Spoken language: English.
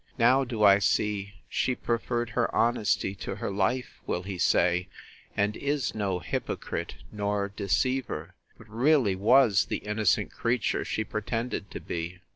Now do I see she preferred her honesty to her life, will he say, and is no hypocrite, nor deceiver; but really was the innocent creature she pretended to be!